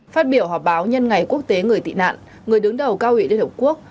phát biểu họp báo nhân ngày quốc tế người tị nạn người đứng đầu cao ủy liên hợp quốc